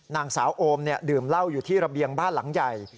นางสาวโอมดื่มเหล้าอยู่ที่ระเบียงบ้านหลังใหญ่